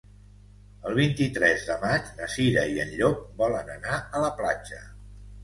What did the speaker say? El vint-i-tres de maig na Cira i en Llop volen anar a la platja.